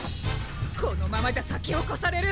このままじゃさきをこされる！